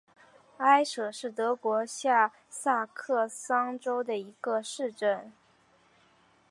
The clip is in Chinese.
埃舍是德国下萨克森州的一个市镇。